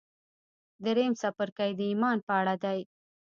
درېيم څپرکی د ايمان په اړه دی.